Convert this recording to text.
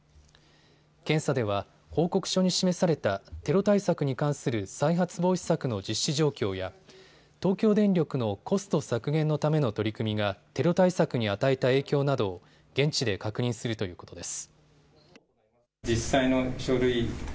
検査では報告書に示されたテロ対策に関する再発防止策の実施状況や東京電力のコスト削減のための取り組みがテロ対策に与えた影響などを現地で確認するということです。